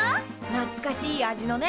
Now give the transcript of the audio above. なつかしい味のね！